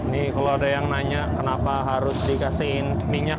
nih kalau ada yang nanya kenapa harus dikasihin minyak